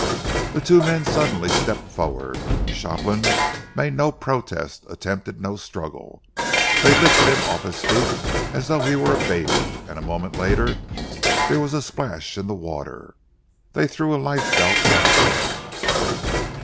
The two men suddenly stepped forward. Shopland made no protest, attempted no struggle. They lifted him off his feet as though he were a baby, and a moment later there was a splash in the water. They threw a life belt after him.